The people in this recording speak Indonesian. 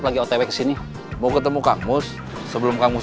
biar mereka pergi duluhan